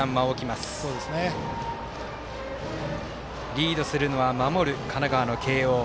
リードするのは守る神奈川、慶応。